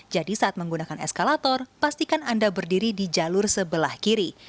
jadi saat menggunakan eskalator pastikan anda berdiri di jalur sebelah kiri